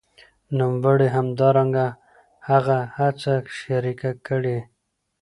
نوموړي همدرانګه هغه هڅي شریکي کړې